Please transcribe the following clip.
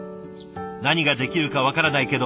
何ができるか分からないけど